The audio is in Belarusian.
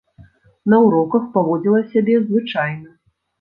На уроках паводзіла сябе звычайна.